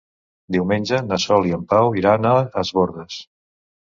Diumenge na Sol i en Pau iran a Es Bòrdes.